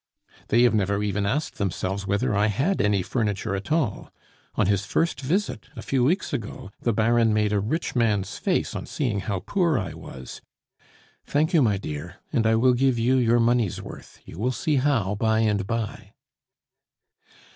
"They have never even asked themselves whether I had any furniture at all. On his first visit, a few weeks ago, the Baron made a rich man's face on seeing how poor I was. Thank you, my dear; and I will give you your money's worth, you will see how by and by."